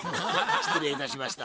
失礼いたしました。